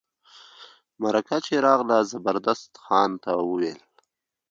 مرکه چي راغله زبردست خان ته وویل.